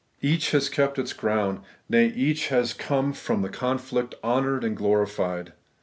Each has kept its ground; nay, each has oome. irom, the conflict honoured and glorified.